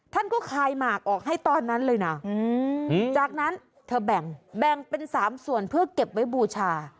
ท่านก็คายหมากออกให้ตอนนั้นเลยนะจากนั้นเธอแบ่งเป็น๓ส่วนเพื่อเก็บไว้บูชา